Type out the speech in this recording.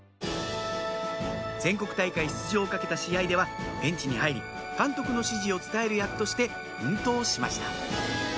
全国大会出場を懸けた試合ではベンチに入り監督の指示を伝える役として奮闘しました